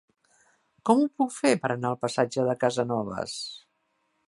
Com ho puc fer per anar al passatge de Casanovas?